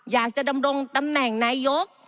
อยากจะดำรงตำแหน่งนายก